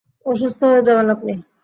অসুস্থ হয়ে যাবেন আপনি!